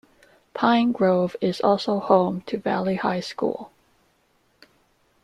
Pine Grove is also home to Valley High School.